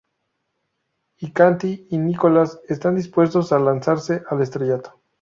Y Cathy y Nicolás están dispuestos a lanzarse al estrellato.